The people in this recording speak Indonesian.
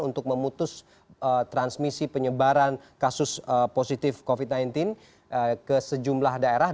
untuk memutus transmisi penyebaran kasus positif covid sembilan belas ke sejumlah daerah